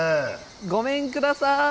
ごめんください。